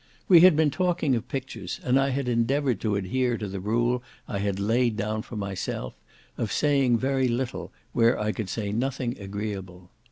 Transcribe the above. We had been talking of pictures, and I had endeavoured to adhere to the rule I had laid down for myself, of saying very little, where I could say nothing agreeable.